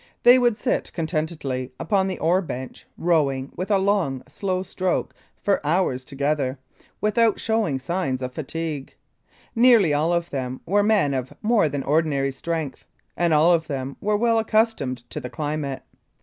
They would sit contentedly upon the oar bench, rowing with a long, slow stroke for hours together without showing signs of fatigue. Nearly all of them were men of more than ordinary strength, and all of them were well accustomed to the climate.